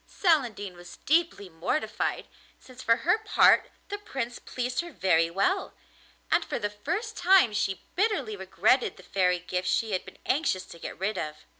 Celandine was deeply mortified, since for her part the Prince pleased her very well, and for the first time she bitterly regretted the fairy gifts she had been anxious to get rid of.